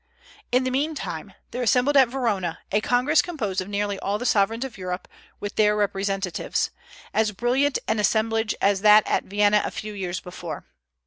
In the meantime there assembled at Verona a Congress composed of nearly all the sovereigns of Europe, with their representatives, as brilliant an assemblage as that at Vienna a few years before.